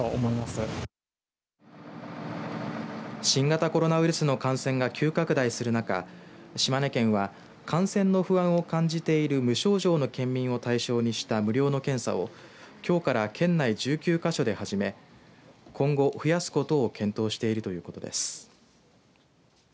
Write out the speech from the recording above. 新型コロナウイルスの感染が急拡大する中島根県は感染の不安を感じている無症状の県民を対象にした無料の検査をきょうから県内１９か所で始め今後、増やすことを検討しているということです。